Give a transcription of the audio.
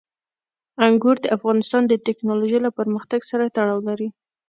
انګور د افغانستان د تکنالوژۍ له پرمختګ سره تړاو لري.